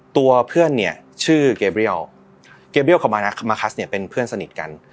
ตัวเพื่อนเนี่ยชื่อเกเบี้ยวเกเรียลกับมานะมาคัสเนี่ยเป็นเพื่อนสนิทกัน